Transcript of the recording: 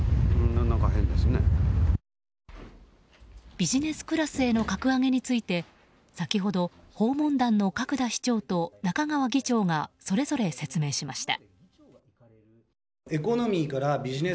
ビジネスクラスへの格上げについて先ほど、訪問団の角田市長と中川議長がそれぞれ説明しました。